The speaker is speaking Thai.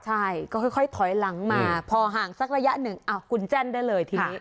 ใช่ก็ค่อยถอยหลังมาพอห่างสักระยะหนึ่งคุณแจ้นได้เลยทีนี้